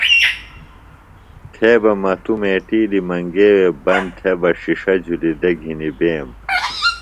تھے بہ مہ توۡ میٹِیلیۡ منگے وے بند تھےۡ بہ ݜِݜہ جُھلیۡ دےۡ گھنیۡ بیم